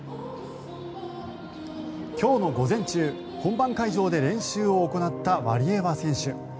今日の午前中、本番会場で練習を行ったワリエワ選手。